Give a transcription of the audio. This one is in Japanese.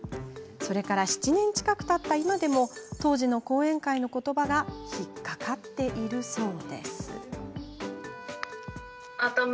それから７年近くたった今でも当時の講演会のことばが引っ掛かっているそう。